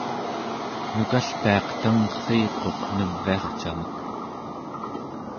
nukalpiaq tangrriiquq neviarcamek